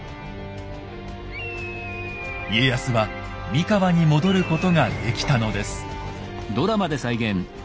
家康は三河に戻ることができたのです。